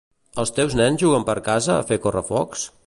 Els teus nens juguen per casa a fer correfocs?